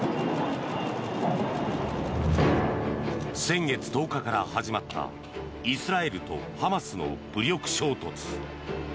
先月１０日から始まったイスラエルとハマスの武力衝突。